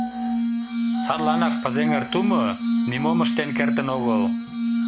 Садланак Пызеҥер тумо нимом ыштен кертын огыл...